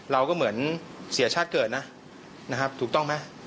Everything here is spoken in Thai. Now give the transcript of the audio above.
เราก็เหมือนเสียชาติเกิดนะนะครับถูกต้องไหม